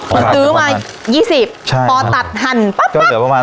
มันตื้อมา๒๐ใช่พอตัดหันปั๊บป๊ะ